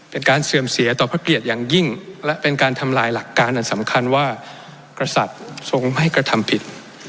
เสื่อมเสียต่อพระเกียรติอย่างยิ่งและเป็นการทำลายหลักการอันสำคัญว่ากษัตริย์ทรงไม่กระทำผิด